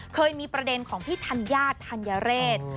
เคยมีประเด็นของพี่ธัญญาธัญเรศ